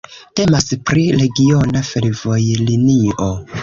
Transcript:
Temas pri regiona fervojlinio.